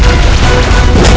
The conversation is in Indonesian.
kau akan menang